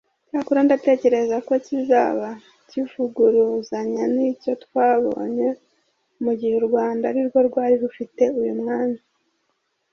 Cyakora ndatekereza ko kizaba kivuguruzanya n’icyo twabonye mu gihe U Rwanda arirwo rwari rufite uyu mwanya